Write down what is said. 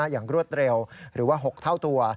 อย่างรวดเร็วหรือว่า๖เท่าตัว